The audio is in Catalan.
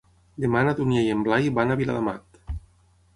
Demà na Dúnia i en Blai van a Viladamat.